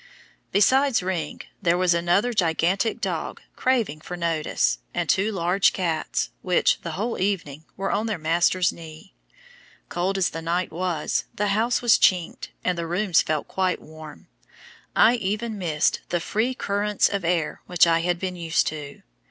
Besides Ring there was another gigantic dog craving for notice, and two large cats, which, the whole evening, were on their master's knee. Cold as the night was, the house was chinked, and the rooms felt quite warm. I even missed the free currents of air which I had been used to!